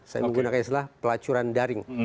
saya menggunakan istilah pelacuran daring